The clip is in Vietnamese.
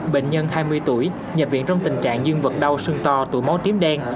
bệnh nhân hai mươi tuổi nhập viện trong tình trạng dương vật đau sưng to tụi máu tím đen